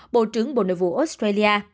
bộ trưởng bộ nội vụ australia